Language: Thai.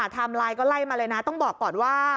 ไลน์ก็ไล่มาเลยนะต้องบอกก่อนว่า